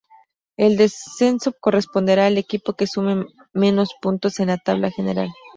El descenso corresponderá al equipo que sume menos puntos en la "Tabla General".